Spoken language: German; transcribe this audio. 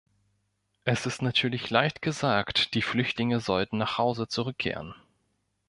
Es ist natürlich leicht gesagt, die Flüchtlinge sollten nach Hause zurückkehren.